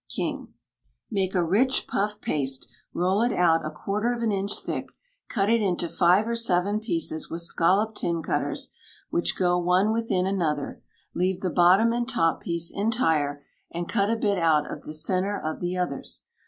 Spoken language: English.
KING. Make a rich puff paste, roll it out a quarter of an inch thick, cut it into five or seven pieces with scalloped tin cutters, which go one within another; leave the bottom and top piece entire, and cut a bit out of the centre of the others.